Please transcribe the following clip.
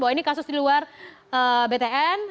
bahwa ini kasus di luar btn